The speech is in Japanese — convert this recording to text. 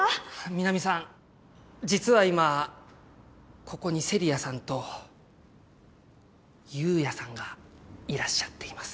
みなみさん実は今ここに聖里矢さんと悠也さんがいらっしゃっています。